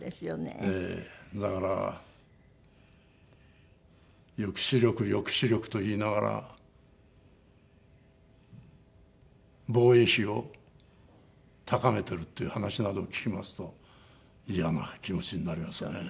だから抑止力抑止力と言いながら防衛費を高めてるっていう話などを聞きますとイヤな気持ちになりましたね。